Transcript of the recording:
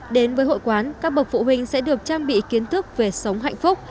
đến với hội quán các bậc phụ huynh sẽ được trang bị kiến thức về sống hạnh phúc